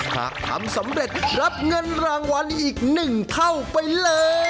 หากทำสำเร็จรับเงินรางวัลอีก๑เท่าไปเลย